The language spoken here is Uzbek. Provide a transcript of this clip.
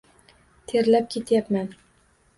Terlab ketyapman.